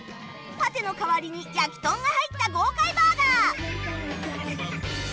パテの代わりに焼きとんが入った豪快バーガー